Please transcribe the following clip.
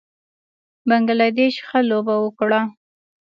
بنګله دېش ښه لوبه وکړه